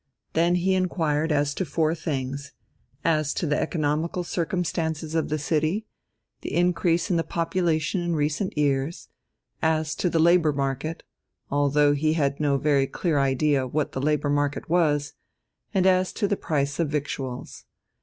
Then he inquired as to four things: as to the economical circumstances of the city, the increase in the population in recent years, as to the labour market (although he had no very clear idea what the labour market was), and as to the price of victuals.